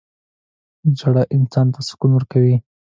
• ژړا انسان ته سکون ورکوي.